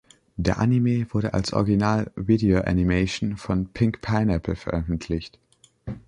Der Anime wurde als Original Video Animation von Pink Pineapple veröffentlicht.